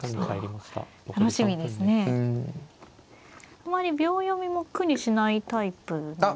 あまり秒読みも苦にしないタイプなんでしょうか。